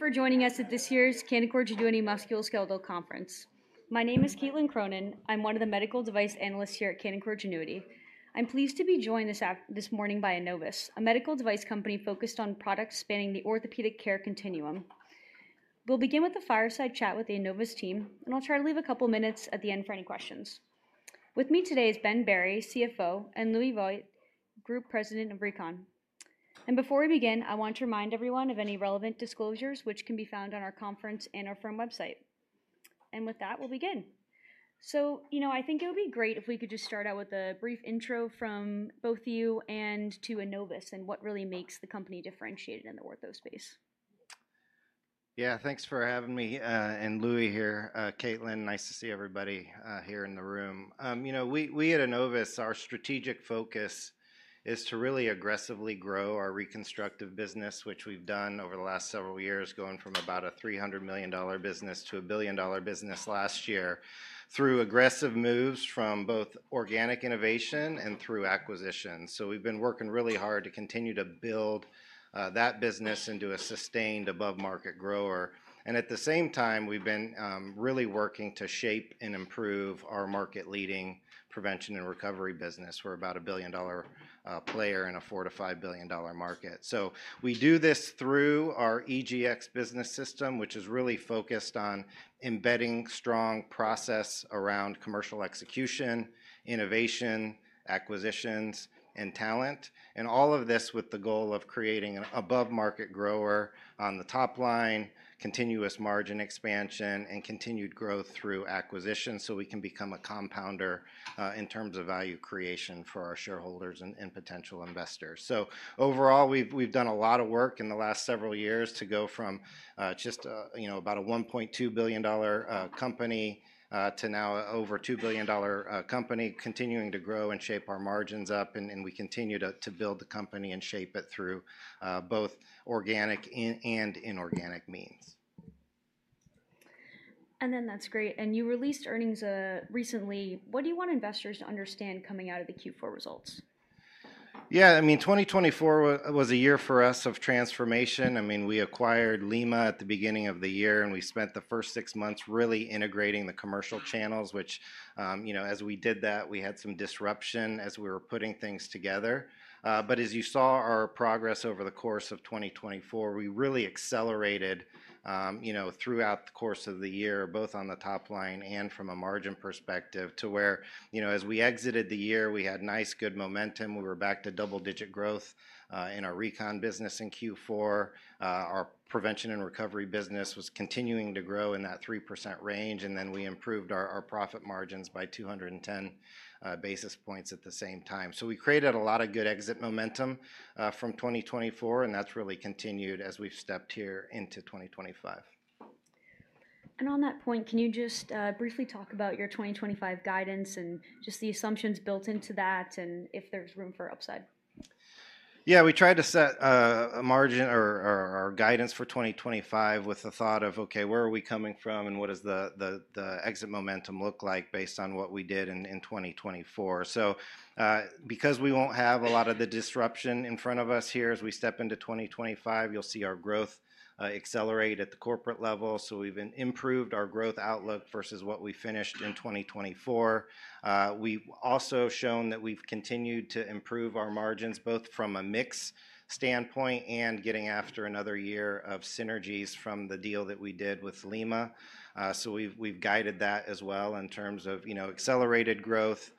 For joining us at this year's Canaccord Genuity Musculoskeletal Conference. My name is Caitlin Cronin. I'm one of the medical device analysts here at Canaccord Genuity. I'm pleased to be joined this morning by Enovis, a medical device company focused on products spanning the orthopedic care continuum. We'll begin with a fireside chat with the Enovis team, and I'll try to leave a couple of minutes at the end for any questions. With me today is Ben Berry, CFO, and Louis Vogt, Group President of Recon. Before we begin, I want to remind everyone of any relevant disclosures, which can be found on our conference and our firm website. With that, we'll begin. I think it would be great if we could just start out with a brief intro from both you and to Enovis and what really makes the company differentiated in the ortho space. Yeah, thanks for having me, and Louis here. Caitlin, nice to see everybody here in the room. You know, we at Enovis, our strategic focus is to really aggressively grow our reconstructive business, which we've done over the last several years, going from about a $300 million business to a billion dollar business last year through aggressive moves from both organic innovation and through acquisitions. We've been working really hard to continue to build that business into a sustained above-market grower. At the same time, we've been really working to shape and improve our market-leading prevention and recovery business. We're about a billion dollar player in a $4 billion-$5 billion market. We do this through our EGX business system, which is really focused on embedding strong process around commercial execution, innovation, acquisitions, and talent, and all of this with the goal of creating an above-market grower on the top line, continuous margin expansion, and continued growth through acquisitions so we can become a compounder in terms of value creation for our shareholders and potential investors. Overall, we've done a lot of work in the last several years to go from just, you know, about a $1.2 billion company to now an over $2 billion company, continuing to grow and shape our margins up, and we continue to build the company and shape it through both organic and inorganic means. That's great. You released earnings recently. What do you want investors to understand coming out of the Q4 results? Yeah, I mean, 2024 was a year for us of transformation. I mean, we acquired Lima at the beginning of the year, and we spent the first six months really integrating the commercial channels, which, you know, as we did that, we had some disruption as we were putting things together. As you saw our progress over the course of 2024, we really accelerated, you know, throughout the course of the year, both on the top line and from a margin perspective to where, you know, as we exited the year, we had nice good momentum. We were back to double-digit growth in our recon business in Q4. Our prevention and recovery business was continuing to grow in that 3% range, and then we improved our profit margins by 210 basis points at the same time. We created a lot of good exit momentum from 2024, and that's really continued as we've stepped here into 2025. Can you just briefly talk about your 2025 guidance and just the assumptions built into that and if there's room for upside? Yeah, we tried to set a margin or our guidance for 2025 with the thought of, okay, where are we coming from and what does the exit momentum look like based on what we did in 2024? Because we won't have a lot of the disruption in front of us here as we step into 2025, you'll see our growth accelerate at the corporate level. We've improved our growth outlook versus what we finished in 2024. We've also shown that we've continued to improve our margins both from a mix standpoint and getting after another year of synergies from the deal that we did with Lima. We've guided that as well in terms of, you know, accelerated growth,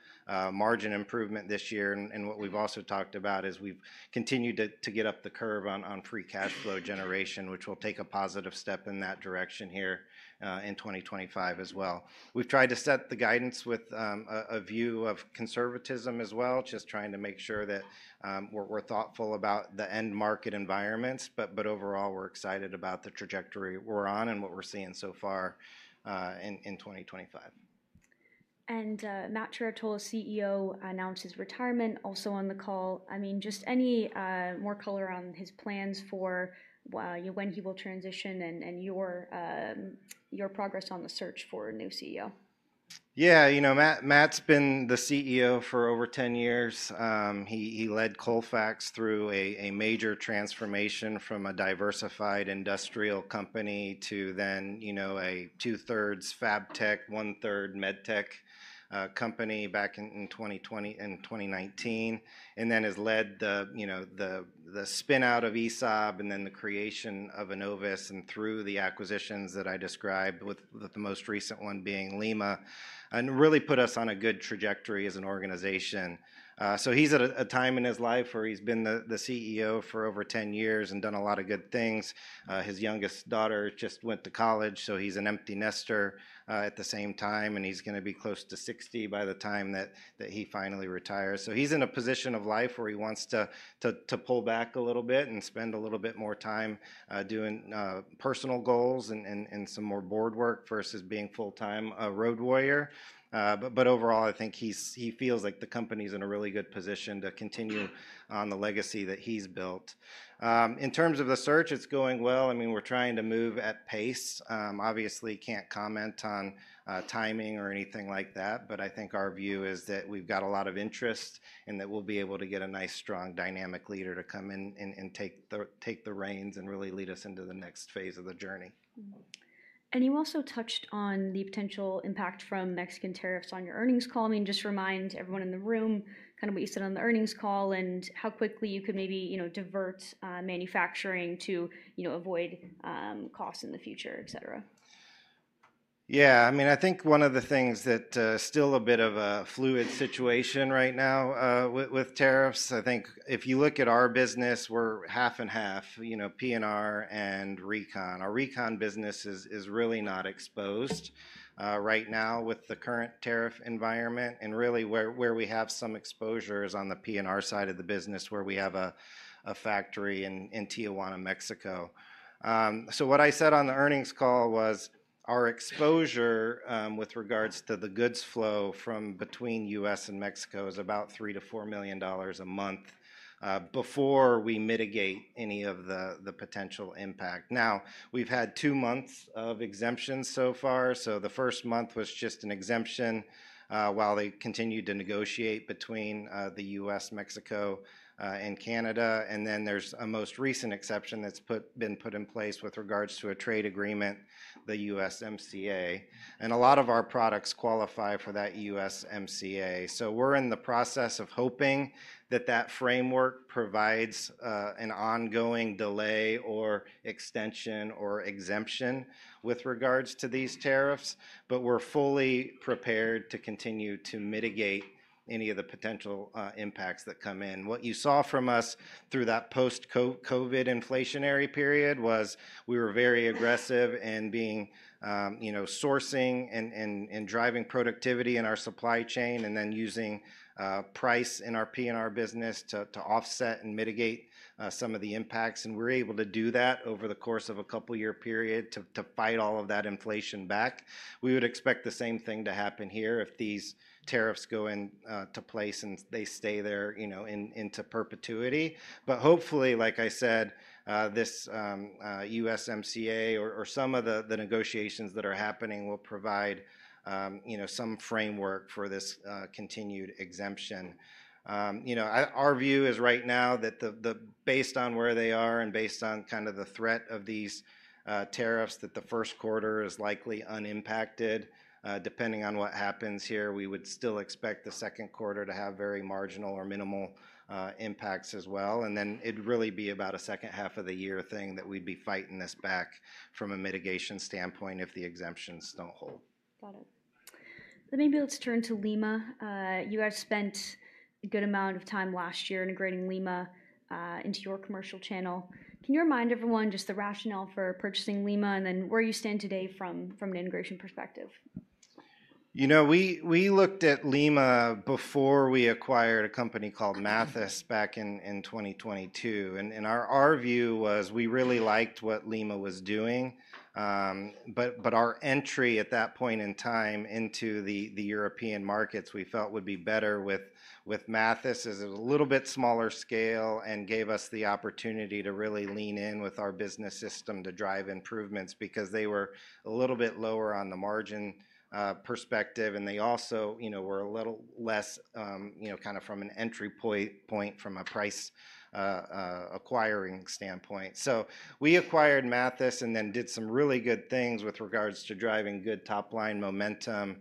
margin improvement this year. What we've also talked about is we've continued to get up the curve on free cash flow generation, which will take a positive step in that direction here in 2025 as well. We've tried to set the guidance with a view of conservatism as well, just trying to make sure that we're thoughtful about the end market environments. Overall, we're excited about the trajectory we're on and what we're seeing so far in 2025. Matt Trerotola, CEO, announced his retirement also on the call. I mean, just any more color on his plans for when he will transition and your progress on the search for a new CEO? Yeah, you know, Matt's been the CEO for over 10 years. He led Colfax through a major transformation from a diversified industrial company to then, you know, a two-thirds FabTech, one-third MedTech company back in 2019, and then has led the, you know, the spin-out of ESAB and then the creation of Enovis and through the acquisitions that I described, with the most recent one being Lima, and really put us on a good trajectory as an organization. He's at a time in his life where he's been the CEO for over 10 years and done a lot of good things. His youngest daughter just went to college, so he's an empty nester at the same time, and he's going to be close to 60 by the time that he finally retires. He is in a position of life where he wants to pull back a little bit and spend a little bit more time doing personal goals and some more board work versus being full-time a road warrior. Overall, I think he feels like the company is in a really good position to continue on the legacy that he has built. In terms of the search, it is going well. I mean, we are trying to move at pace. Obviously, cannot comment on timing or anything like that, but I think our view is that we have got a lot of interest and that we will be able to get a nice, strong dynamic leader to come in and take the reins and really lead us into the next phase of the journey. You also touched on the potential impact from Mexican tariffs on your earnings call. I mean, just remind everyone in the room kind of what you said on the earnings call and how quickly you could maybe, you know, divert manufacturing to, you know, avoid costs in the future, et cetera. Yeah, I mean, I think one of the things that's still a bit of a fluid situation right now with tariffs, I think if you look at our business, we're half and half, you know, PNR and Recon. Our Recon business is really not exposed right now with the current tariff environment. Really where we have some exposure is on the PNR side of the business where we have a factory in Tijuana, Mexico. What I said on the earnings call was our exposure with regards to the goods flow from between the U.S. and Mexico is about $3 million-$4 million a month before we mitigate any of the potential impact. Now, we've had two months of exemptions so far. The first month was just an exemption while they continued to negotiate between the U.S., Mexico, and Canada. There is a most recent exception that's been put in place with regards to a trade agreement, the USMCA. A lot of our products qualify for that USMCA. We are in the process of hoping that that framework provides an ongoing delay or extension or exemption with regards to these tariffs, but we are fully prepared to continue to mitigate any of the potential impacts that come in. What you saw from us through that post-COVID inflationary period was we were very aggressive in being, you know, sourcing and driving productivity in our supply chain and then using price in our PNR business to offset and mitigate some of the impacts. We were able to do that over the course of a couple-year period to fight all of that inflation back. We would expect the same thing to happen here if these tariffs go into place and they stay there, you know, into perpetuity. Hopefully, like I said, this USMCA or some of the negotiations that are happening will provide, you know, some framework for this continued exemption. You know, our view is right now that based on where they are and based on kind of the threat of these tariffs, that the first quarter is likely unimpacted. Depending on what happens here, we would still expect the second quarter to have very marginal or minimal impacts as well. It would really be about a second half of the year thing that we'd be fighting this back from a mitigation standpoint if the exemptions don't hold. Got it. Maybe let's turn to Lima. You guys spent a good amount of time last year integrating Lima into your commercial channel. Can you remind everyone just the rationale for purchasing Lima and then where you stand today from an integration perspective? You know, we looked at Lima before we acquired a company called Mathys back in 2022. Our view was we really liked what Lima was doing. Our entry at that point in time into the European markets we felt would be better with Mathys as a little bit smaller scale and gave us the opportunity to really lean in with our business system to drive improvements because they were a little bit lower on the margin perspective. They also, you know, were a little less, you know, kind of from an entry point from a price acquiring standpoint. We acquired Mathys and then did some really good things with regards to driving good top-line momentum,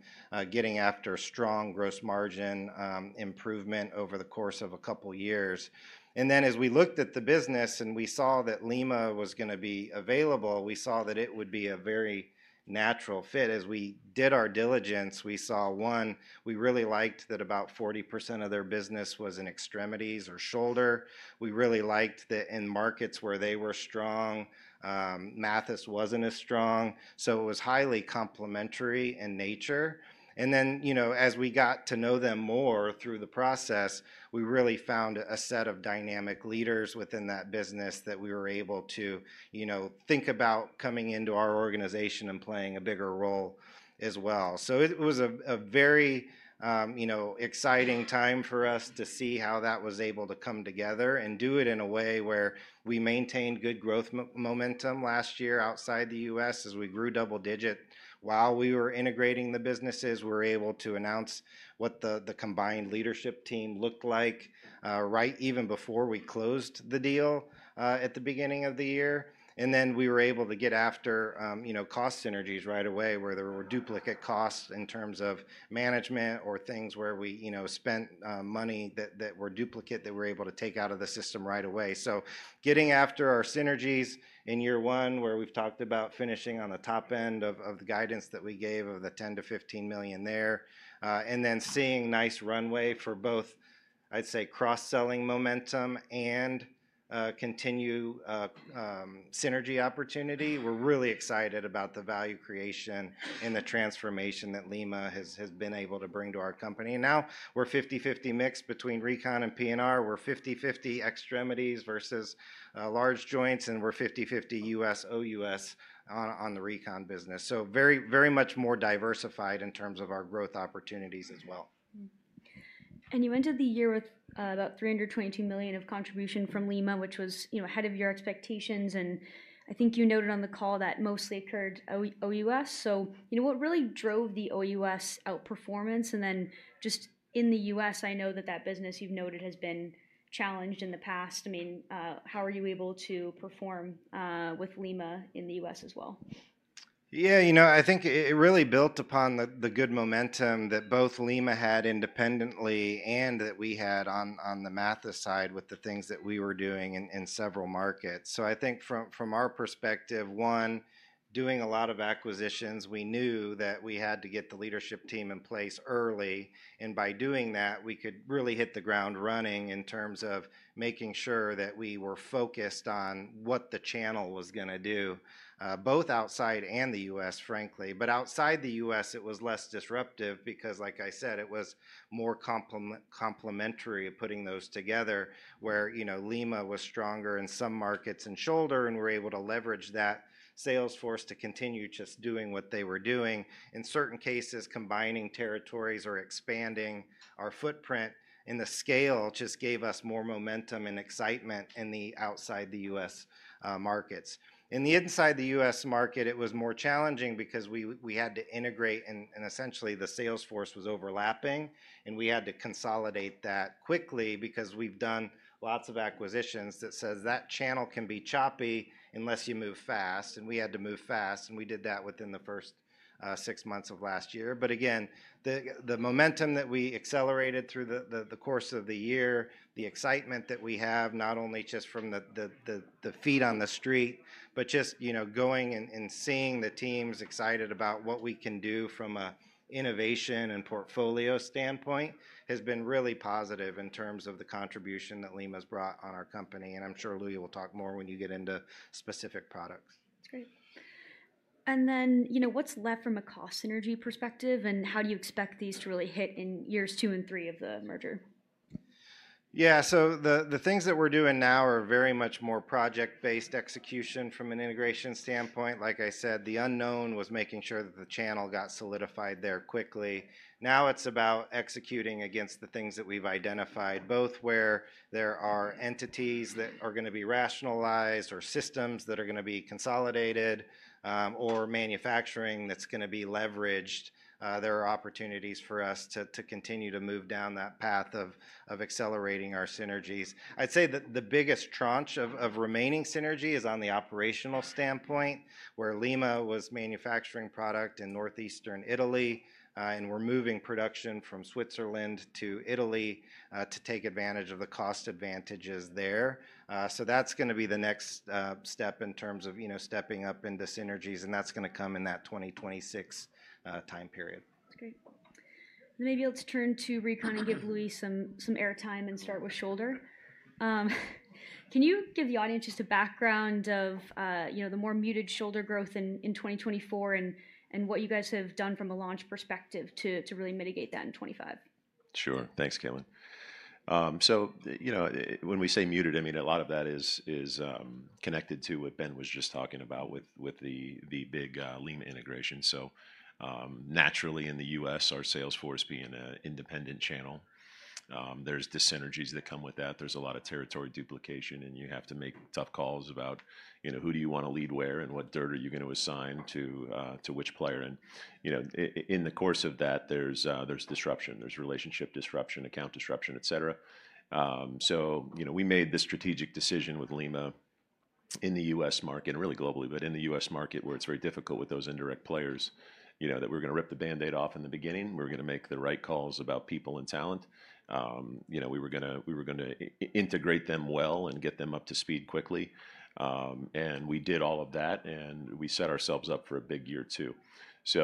getting after strong gross margin improvement over the course of a couple of years. As we looked at the business and we saw that Lima was going to be available, we saw that it would be a very natural fit. As we did our diligence, we saw, one, we really liked that about 40% of their business was in extremities or shoulder. We really liked that in markets where they were strong, Mathys was not as strong. It was highly complementary in nature. You know, as we got to know them more through the process, we really found a set of dynamic leaders within that business that we were able to, you know, think about coming into our organization and playing a bigger role as well. It was a very, you know, exciting time for us to see how that was able to come together and do it in a way where we maintained good growth momentum last year outside the U.S. as we grew double-digit. While we were integrating the businesses, we were able to announce what the combined leadership team looked like, right, even before we closed the deal at the beginning of the year. We were able to get after, you know, cost synergies right away where there were duplicate costs in terms of management or things where we, you know, spent money that were duplicate that we were able to take out of the system right away. Getting after our synergies in year one where we've talked about finishing on the top end of the guidance that we gave of the $10 million-$15 million there, and then seeing nice runway for both, I'd say, cross-selling momentum and continued synergy opportunity, we're really excited about the value creation and the transformation that Lima has been able to bring to our company. Now we're 50/50 mix between Recon and PNR. We're 50/50 extremities versus large joints, and we're 50/50 U.S., OUS on the Recon business. Very, very much more diversified in terms of our growth opportunities as well. You ended the year with about $322 million of contribution from Lima, which was, you know, ahead of your expectations. I think you noted on the call that mostly occurred OUS. You know, what really drove the OUS outperformance? In the U.S., I know that that business you've noted has been challenged in the past. I mean, how are you able to perform with Lima in the U.S. as well? Yeah, you know, I think it really built upon the good momentum that both Lima had independently and that we had on the Mathys side with the things that we were doing in several markets. I think from our perspective, one, doing a lot of acquisitions, we knew that we had to get the leadership team in place early. By doing that, we could really hit the ground running in terms of making sure that we were focused on what the channel was going to do, both outside and the U.S., frankly. Outside the U.S., it was less disruptive because, like I said, it was more complementary of putting those together where, you know, Lima was stronger in some markets and shoulder, and we were able to leverage that sales force to continue just doing what they were doing. In certain cases, combining territories or expanding our footprint in the scale just gave us more momentum and excitement in the outside the U.S. markets. In the inside the U.S. market, it was more challenging because we had to integrate and essentially the sales force was overlapping, and we had to consolidate that quickly because we've done lots of acquisitions that says that channel can be choppy unless you move fast. We had to move fast, and we did that within the first six months of last year. Again, the momentum that we accelerated through the course of the year, the excitement that we have, not only just from the feet on the street, but just, you know, going and seeing the teams excited about what we can do from an innovation and portfolio standpoint has been really positive in terms of the contribution that Lima has brought on our company. I'm sure Louie will talk more when you get into specific products. That's great. You know, what's left from a cost synergy perspective and how do you expect these to really hit in years two and three of the merger? Yeah, so the things that we're doing now are very much more project-based execution from an integration standpoint. Like I said, the unknown was making sure that the channel got solidified there quickly. Now it's about executing against the things that we've identified, both where there are entities that are going to be rationalized or systems that are going to be consolidated or manufacturing that's going to be leveraged. There are opportunities for us to continue to move down that path of accelerating our synergies. I'd say that the biggest tranche of remaining synergy is on the operational standpoint where Lima was manufacturing product in northeastern Italy, and we're moving production from Switzerland to Italy to take advantage of the cost advantages there. That is going to be the next step in terms of, you know, stepping up into synergies, and that's going to come in that 2026 time period. That's great. Maybe let's turn to Recon and give Louie some airtime and start with shoulder. Can you give the audience just a background of, you know, the more muted shoulder growth in 2024 and what you guys have done from a launch perspective to really mitigate that in 2025? Sure. Thanks, Caitlin. You know, when we say muted, I mean a lot of that is connected to what Ben was just talking about with the big Lima integration. Naturally in the U.S., our sales force being an independent channel, there's the synergies that come with that. There's a lot of territory duplication, and you have to make tough calls about, you know, who do you want to lead where and what dirt are you going to assign to which player. You know, in the course of that, there's disruption, there's relationship disruption, account disruption, et cetera. You know, we made the strategic decision with Lima in the U.S. market and really globally, but in the U.S. market where it's very difficult with those indirect players, you know, that we're going to rip the Band-Aid off in the beginning. We're going to make the right calls about people and talent. You know, we were going to integrate them well and get them up to speed quickly. We did all of that, and we set ourselves up for a big year too. You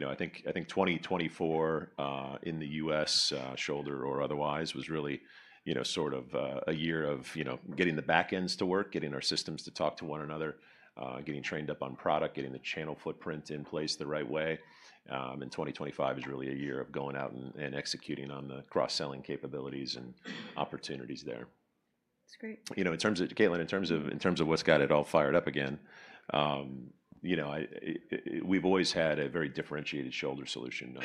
know, I think 2024 in the U.S., shoulder or otherwise, was really, you know, sort of a year of, you know, getting the backends to work, getting our systems to talk to one another, getting trained up on product, getting the channel footprint in place the right way. 2025 is really a year of going out and executing on the cross-selling capabilities and opportunities there. That's great. You know, in terms of, Kaylyn, in terms of what's got it all fired up again, you know, we've always had a very differentiated shoulder solution.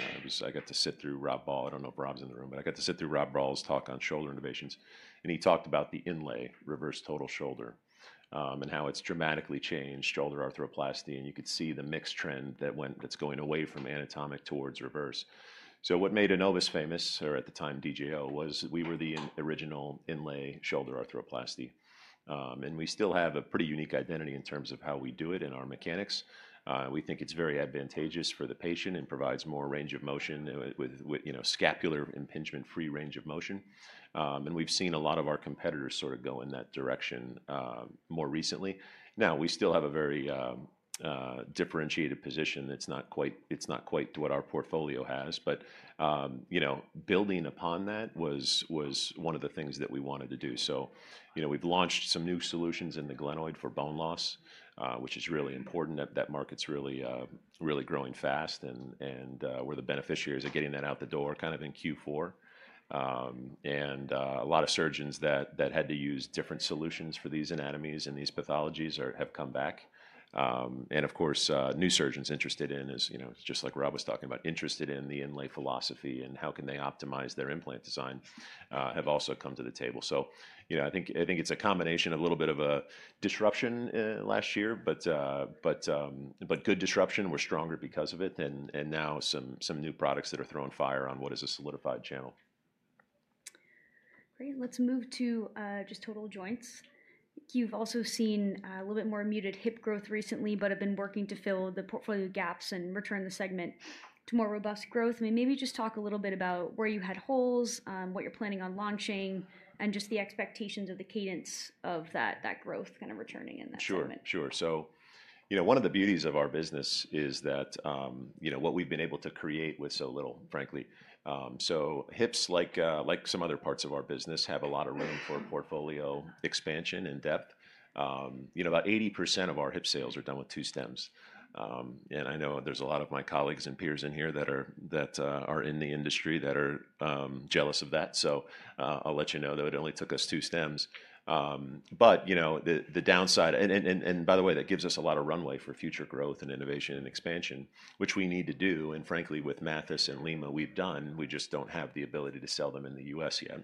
I got to sit through Rob Ball, I don't know if Rob's in the room, but I got to sit through Rob Ball's talk on shoulder innovations. He talked about the inlay reverse total shoulder and how it's dramatically changed shoulder arthroplasty. You could see the mixed trend that went that's going away from anatomic towards reverse. What made Enovis famous or at the time DJO was we were the original inlay shoulder arthroplasty. We still have a pretty unique identity in terms of how we do it in our mechanics. We think it's very advantageous for the patient and provides more range of motion with, you know, scapular impingement-free range of motion. We have seen a lot of our competitors sort of go in that direction more recently. We still have a very differentiated position that is not quite what our portfolio has. You know, building upon that was one of the things that we wanted to do. You know, we have launched some new solutions in the glenoid for bone loss, which is really important. That market is really, really growing fast. We are the beneficiaries of getting that out the door kind of in Q4. A lot of surgeons that had to use different solutions for these anatomies and these pathologies have come back. Of course, new surgeons interested in, as you know, just like Rob was talking about, interested in the inlay philosophy and how they can optimize their implant design have also come to the table. You know, I think it's a combination of a little bit of a disruption last year, but good disruption. We're stronger because of it. Now some new products are throwing fire on what is a solidified channel. Great. Let's move to just total joints. You've also seen a little bit more muted hip growth recently, but have been working to fill the portfolio gaps and return the segment to more robust growth. I mean, maybe just talk a little bit about where you had holes, what you're planning on launching, and just the expectations of the cadence of that growth kind of returning in that segment. Sure. Sure. You know, one of the beauties of our business is that, you know, what we've been able to create with so little, frankly. Hips, like some other parts of our business, have a lot of room for portfolio expansion and depth. You know, about 80% of our hip sales are done with two stems. I know there are a lot of my colleagues and peers in here that are in the industry that are jealous of that. I'll let you know that it only took us two stems. The downside, and by the way, that gives us a lot of runway for future growth and innovation and expansion, which we need to do. Frankly, with Mathys and Lima, we've done. We just do not have the ability to sell them in the U.S. yet.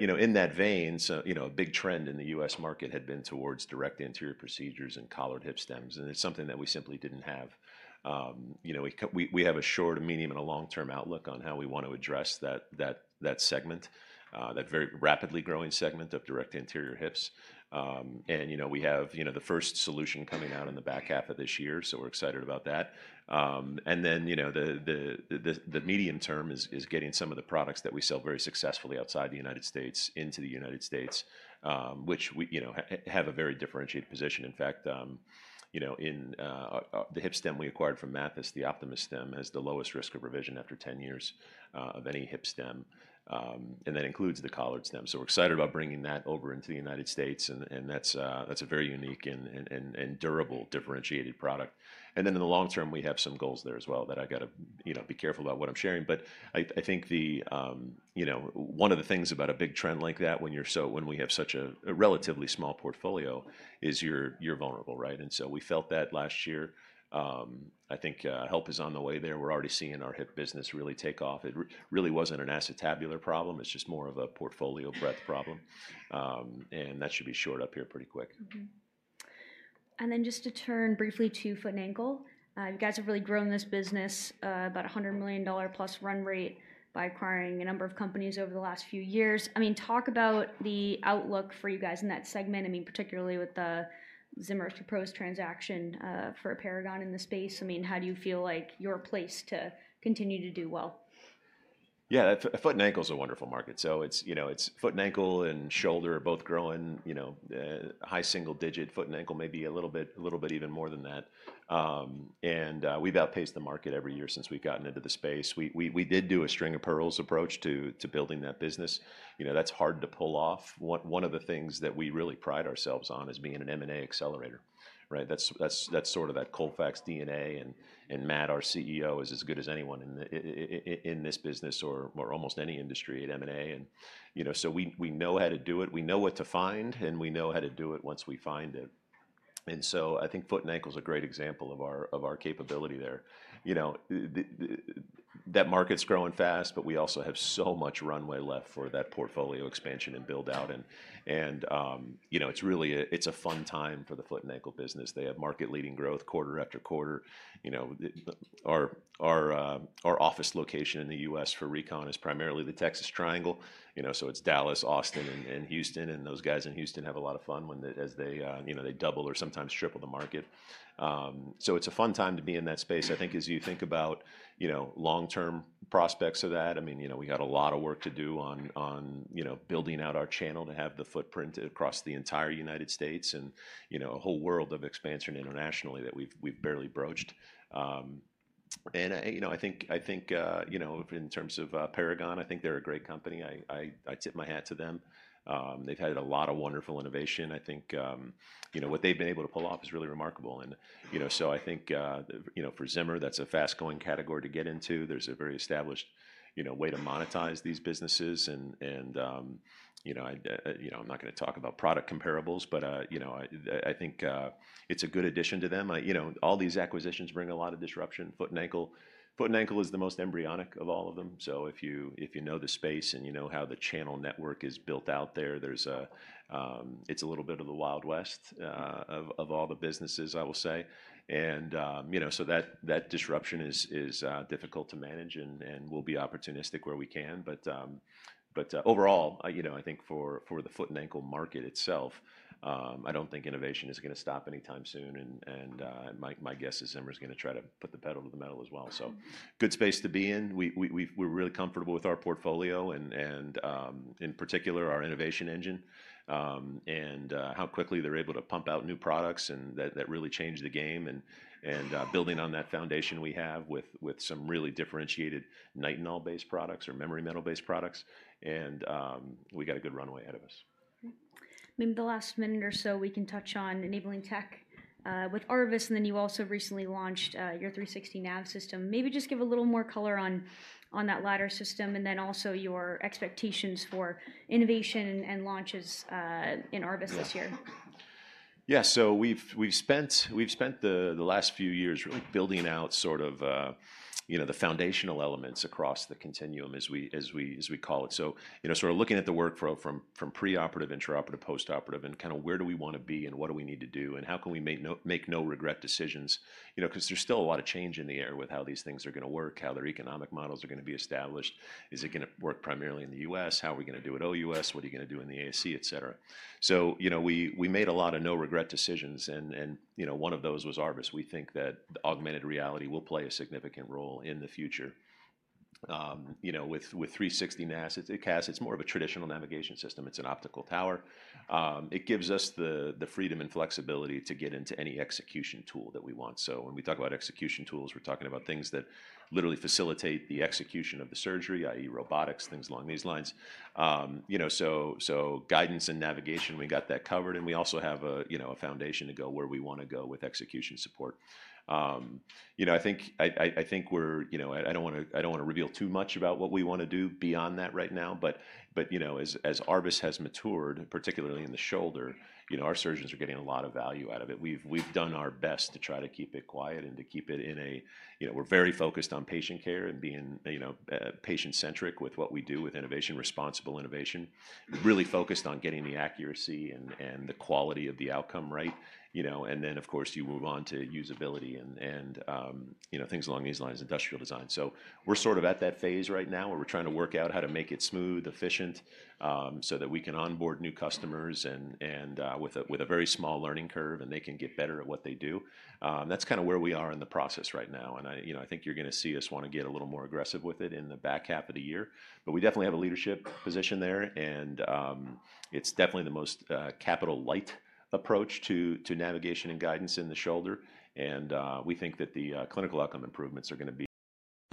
You know, in that vein, you know, a big trend in the U.S. market had been towards direct anterior procedures and collared hip stems. It's something that we simply didn't have. You know, we have a short, a medium, and a long-term outlook on how we want to address that segment, that very rapidly growing segment of direct anterior hips. You know, we have, you know, the first solution coming out in the back half of this year. We're excited about that. You know, the medium term is getting some of the products that we sell very successfully outside the United States into the United States, which we, you know, have a very differentiated position. In fact, you know, in the hip stem we acquired from Mathys, the Optimys Stem has the lowest risk of revision after 10 years of any hip stem. That includes the collared stem. We are excited about bringing that over into the United States. That is a very unique and durable differentiated product. In the long term, we have some goals there as well that I have to, you know, be careful about what I am sharing. I think one of the things about a big trend like that when we have such a relatively small portfolio is you are vulnerable, right? We felt that last year. I think help is on the way there. We are already seeing our hip business really take off. It really was not an acetabular problem. It is just more of a portfolio breadth problem. That should be shored up here pretty quick. Just to turn briefly to Foot and Ankle, you guys have really grown this business about $100 million plus run rate by acquiring a number of companies over the last few years. I mean, talk about the outlook for you guys in that segment. I mean, particularly with the Zimmer proposed transaction for a Paragon in the space. I mean, how do you feel like your place to continue to do well? Yeah, Foot and Ankle is a wonderful market. It's, you know, it's Foot and Ankle and shoulder are both growing, you know, high single digit. Foot and Ankle may be a little bit, a little bit even more than that. We've outpaced the market every year since we've gotten into the space. We did do a string of pearls approach to building that business. You know, that's hard to pull off. One of the things that we really pride ourselves on is being an M&A accelerator, right? That's sort of that Colfax DNA. Matt, our CEO, is as good as anyone in this business or almost any industry at M&A. You know, we know how to do it. We know what to find, and we know how to do it once we find it. I think Foot and Ankle is a great example of our capability there. You know, that market's growing fast, but we also have so much runway left for that portfolio expansion and build out. You know, it's really, it's a fun time for the Foot and Ankle business. They have market-leading growth quarter after quarter. You know, our office location in the U.S. for Recon is primarily the Texas Triangle. You know, so it's Dallas, Austin, and Houston. Those guys in Houston have a lot of fun when they, you know, they double or sometimes triple the market. It is a fun time to be in that space. I think as you think about, you know, long-term prospects of that, I mean, you know, we got a lot of work to do on, you know, building out our channel to have the footprint across the entire United States and, you know, a whole world of expansion internationally that we've barely broached. I think, you know, in terms of Paragon, I think they're a great company. I tip my hat to them. They've had a lot of wonderful innovation. I think, you know, what they've been able to pull off is really remarkable. I think, you know, for Zimmer, that's a fast-going category to get into. There's a very established, you know, way to monetize these businesses. I, you know, I'm not going to talk about product comparables, but, you know, I think it's a good addition to them. You know, all these acquisitions bring a lot of disruption. Foot and Ankle, Foot and Ankle is the most embryonic of all of them. If you know the space and you know how the channel network is built out there, it's a little bit of the Wild West of all the businesses, I will say. You know, that disruption is difficult to manage and we'll be opportunistic where we can. Overall, you know, I think for the Foot and Ankle market itself, I don't think innovation is going to stop anytime soon. My guess is Zimmer Biomet is going to try to put the pedal to the metal as well. Good space to be in. We're really comfortable with our portfolio and in particular our innovation engine and how quickly they're able to pump out new products that really change the game and building on that foundation we have with some really differentiated Nitinol-based products or memory metal-based products. We got a good runway ahead of us. Maybe the last minute or so we can touch on enabling tech with ARVIS, and then you also recently launched your 360 Nav system. Maybe just give a little more color on that latter system and then also your expectations for innovation and launches in ARVIS this year. Yeah. We've spent the last few years really building out sort of, you know, the foundational elements across the continuum as we call it. You know, sort of looking at the workflow from pre-operative, inter-operative, post-operative and kind of where do we want to be and what do we need to do and how can we make no regret decisions, you know, because there's still a lot of change in the air with how these things are going to work, how their economic models are going to be established. Is it going to work primarily in the U.S.? How are we going to do it OUS? What are you going to do in the ASC, et cetera? You know, we made a lot of no regret decisions. You know, one of those was Arvis. We think that augmented reality will play a significant role in the future. You know, with 360 Nav System, it's more of a traditional navigation system. It's an optical tower. It gives us the freedom and flexibility to get into any execution tool that we want. When we talk about execution tools, we're talking about things that literally facilitate the execution of the surgery, i.e., robotics, things along these lines. You know, guidance and navigation, we got that covered. We also have a foundation to go where we want to go with execution support. You know, I think we're, you know, I don't want to reveal too much about what we want to do beyond that right now. You know, as Arvis has matured, particularly in the shoulder, our surgeons are getting a lot of value out of it. We've done our best to try to keep it quiet and to keep it in a, you know, we're very focused on patient care and being, you know, patient-centric with what we do with innovation, responsible innovation, really focused on getting the accuracy and the quality of the outcome right. You know, and then of course you move on to usability and, you know, things along these lines, industrial design. We're sort of at that phase right now where we're trying to work out how to make it smooth, efficient so that we can onboard new customers and with a very small learning curve and they can get better at what they do. That's kind of where we are in the process right now. I, you know, I think you're going to see us want to get a little more aggressive with it in the back half of the year. We definitely have a leadership position there. It's definitely the most capital light approach to navigation and guidance in the shoulder. We think that the clinical outcome improvements are going to be.